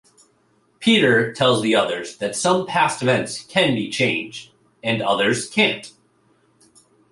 Peter tells the others that some past events can be changed, and others can't.